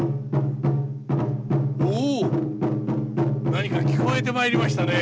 何か聞こえてまいりましたね。